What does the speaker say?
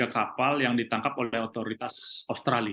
empat puluh tiga kapal yang ditangkap oleh otoritas australia